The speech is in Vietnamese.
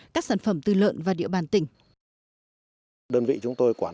các sản phẩm từ lợn và địa bàn tỉnh